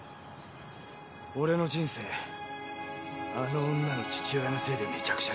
俺の人生あの女の父親のせいでめちゃくちゃにされたんだ。